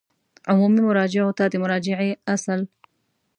عمومي مراجعو ته د مراجعې اصل